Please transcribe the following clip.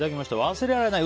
忘れられない